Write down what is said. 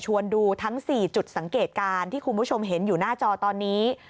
ดูทั้ง๔จุดสังเกตการณ์ที่คุณผู้ชมเห็นอยู่หน้าจอตอนนี้